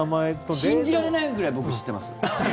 信じられないくらい僕、知ってます。